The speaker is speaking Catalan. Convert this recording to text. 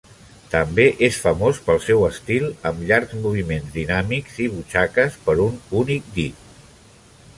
També és famós pel seu estil amb llargs moviments dinàmics i butxaques per un únic dit.